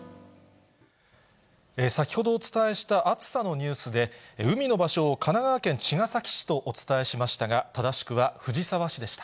先ほどお伝えした暑さのニュースで、海の場所を神奈川県茅ヶ崎市とお伝えしましたが、正しくは藤沢市でした。